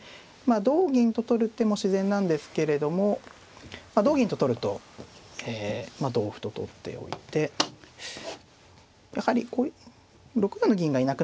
同銀と取る手も自然なんですけれども同銀と取るとえ同歩と取っておいてやはり６四の銀がいなくなりますとね